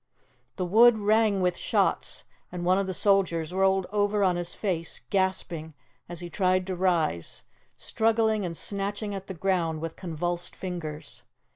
The wood rang with shots, and one of the soldiers rolled over on his face, gasping as he tried to rise, struggling and snatching at the ground with convulsed fingers.